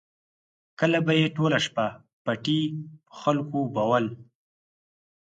کله به یې ټوله شپه پټي په خلکو اوبول.